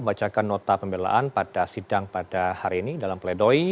membacakan nota pembelaan pada sidang pada hari ini dalam pledoi